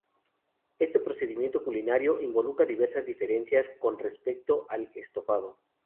Este procedimiento culinario involucra diversas diferencias con respecto al estofado.